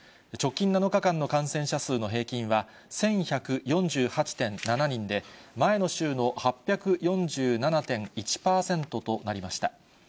直近７日間の感染者数の平均は１１４８．７人で、前の週の８４７．１％となりました。